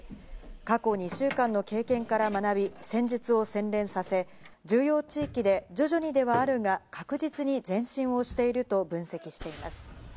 過去２週間の経験から学び、戦術を洗練させ、重要地域で徐々にではあるが確実に前進をしていると分析しています。